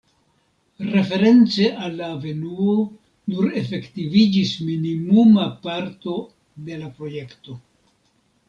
Reference al la avenuo, nur efektiviĝis minimuma parto de la projekto.